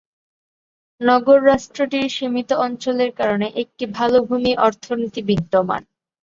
নগর রাষ্ট্রটির সীমিত অঞ্চলের কারণে একটি ভালো ভূমি অর্থনীতি বিদ্যমান।